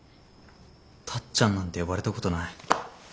タッちゃんなんて呼ばれたことない。